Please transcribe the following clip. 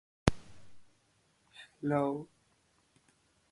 Rutinariamente sujetos a retrasos.